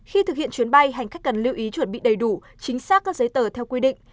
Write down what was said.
khi thực hiện chuyến bay hành khách cần lưu ý chuẩn bị đầy đủ chính xác các giấy tờ theo quy định